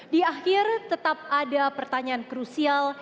di akhir tetap ada pertanyaan krusial